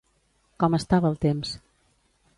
Com estava el temps?